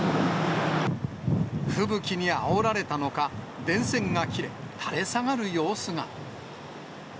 吹雪にあおられたのか、電線が切れ、垂れ下がる様子が。